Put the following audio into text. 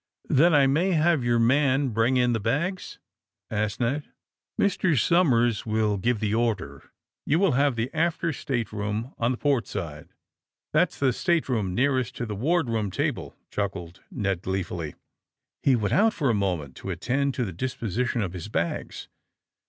^'Then I may have your man bring in the bags?" asked Ned. ^' Mr. Somers will give the order. You will have the after stateroom on the port side." ^^ That's the stateroom nearest to the ward room table," chuckled Ned gleefully. He went out, for a moment, to attend to the disposition of his bags.